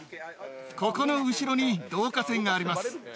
ここの後ろに導火線があります。